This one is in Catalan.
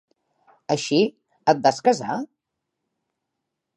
Així et vas casar?